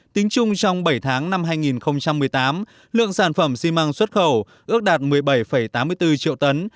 tính chung trong bảy tháng năm hai nghìn một mươi tám lượng sản phẩm xi măng xuất khẩu ước đạt một mươi bảy tám mươi bốn triệu tấn